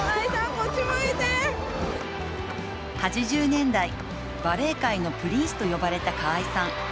８０年代、バレー界のプリンスと呼ばれた川合さん。